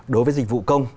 đối với dịch vụ công